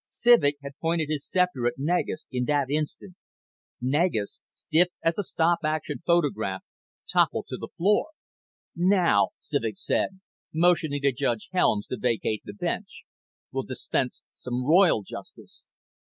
Civek had pointed his scepter at Negus in that instant. Negus, stiff as a stop action photograph, toppled to the floor. "Now," Civek said, motioning to Judge Helms to vacate the bench, "we'll dispense some royal justice."